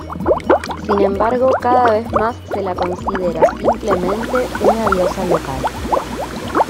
Sin embargo, cada vez más, se la considera, simplemente, una diosa local.